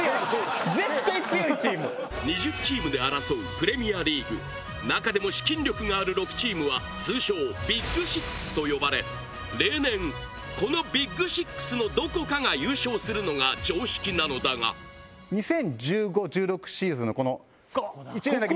２０チームで争うプレミアリーグ中でも資金力がある６チームは通称「ビッグ６」と呼ばれ例年このビッグ６のどこかが優勝するのが常識なのだが２０１５−２０１６シーズンのこの１年だけ見てください。